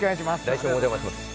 来週もお邪魔します